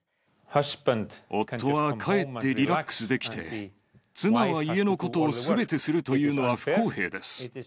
夫は帰ってリラックスできて、妻は家のことをすべてするというのは不公平です。